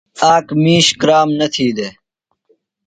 آک مِیش کرام نہ تھی دےۡ۔